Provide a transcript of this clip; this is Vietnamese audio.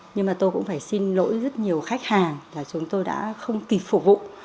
nhưng mà tôi cũng phải xin lỗi rất nhiều khách hàng là chúng tôi đã không kịp phục vụ